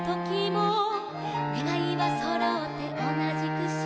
「ねがいはそろって同じ串」